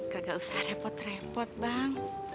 kagak usah repot repot bang